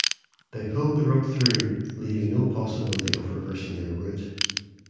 They pulled the rope through leaving no possibility of reversing their route.